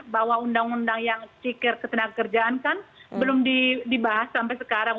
bahwa undang undang yang ciker ketenagakerjaan kan belum dibahas sampai sekarang